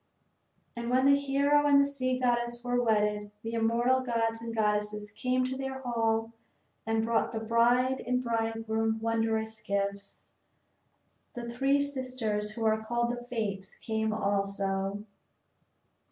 And when the hero and the sea goddess were wedded the immortal gods and goddesses came to their hall and brought the bride and the bridegroom wondrous gifts. The three sisters who are called the Fates came also.